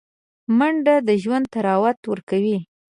منډه د ژوند طراوت ورکوي